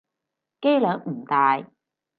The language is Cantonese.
機率唔大